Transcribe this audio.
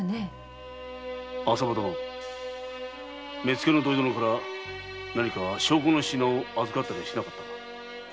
目付の土井殿から何か証拠の品を預かったりしなかったか？